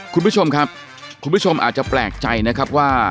คุณผู้ชมครับคุณผู้ชมอาจจะแปลกใจนะครับว่า